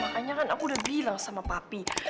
makanya kan aku udah bilang sama papi